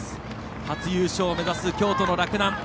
初優勝を目指す京都の洛南。